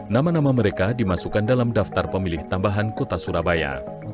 nama nama mereka dimasukkan dalam daftar pemilih tambahan kota surabaya